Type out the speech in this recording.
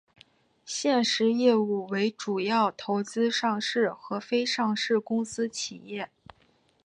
现时业务为主要投资上市和非上市公司企业。